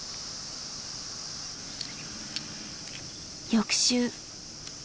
翌週。